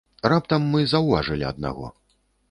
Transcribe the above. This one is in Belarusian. Раптам мы заўважылі аднаго.